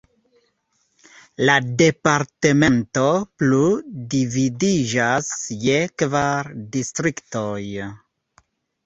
La departemento plu dividiĝas je kvar distriktoj.